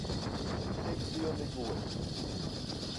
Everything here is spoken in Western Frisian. Ik fiel my goed.